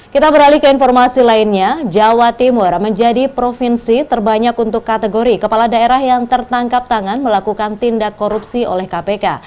kita beralih ke informasi lainnya jawa timur menjadi provinsi terbanyak untuk kategori kepala daerah yang tertangkap tangan melakukan tindak korupsi oleh kpk